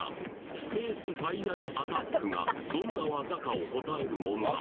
スペースファイナルアタックがどんな技かを答える問題